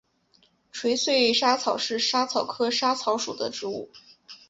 垂穗莎草是莎草科莎草属的植物。